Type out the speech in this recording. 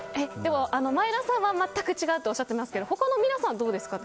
前田さんは全く違うとおっしゃってますが他の皆さんはどうですか？